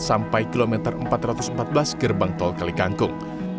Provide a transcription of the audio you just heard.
sampai kilometer empat ratus empat belas gerbang tol kalikangkung